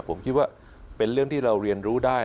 ผมคิดว่าเป็นเรื่องที่เราเรียนรู้ได้